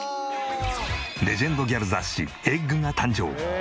レジェンドギャル雑誌『ｅｇｇ』が誕生。